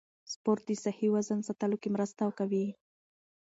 سپورت د صحي وزن ساتلو کې مرسته کوي.